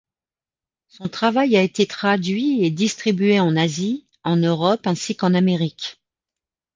Son travail a été traduit et distribué en Asie, en Europe ainsi qu'en Amérique.